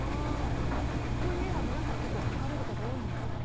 こういう絵は皆さん描かれる方多いんですか？